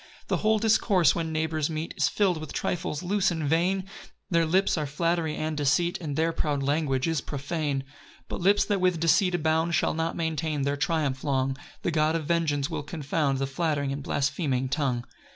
2 The whole discourse, when neighbours meet, Is fill'd with trifles loose and vain; Their lips are flattery and deceit, And their proud language is profane. 3 But lips, that with deceit abound, Shall not maintain their triumph long; The God of vengeance will confound The flattering and blaspheming tongue.